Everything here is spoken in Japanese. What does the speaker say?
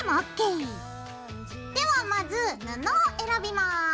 ではまず布を選びます。